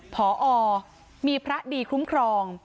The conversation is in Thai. พอมีพระดีคุ้มครอง